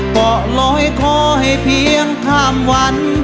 เกาะลอยคอให้เพียงข้ามวัน